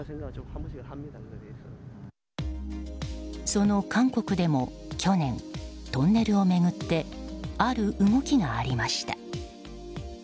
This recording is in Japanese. その韓国でも去年、トンネルを巡ってある動きがありました。